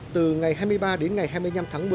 từ ngày hai mươi ba đến ngày hai mươi năm tháng một mươi